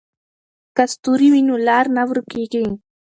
که ستوري وي نو لار نه ورکېږي.